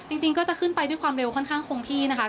จริงก็จะขึ้นไปด้วยความเร็วค่อนข้างคงที่นะคะ